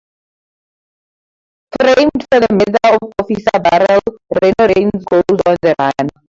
Framed for the murder of Officer Burrell, Reno Raines goes on the run.